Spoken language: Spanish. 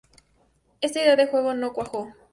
Esta idea de juego no cuajó.